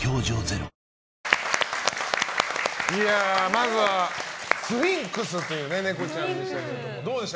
まずはスフィンクスというネコちゃんでしたけどどうでした？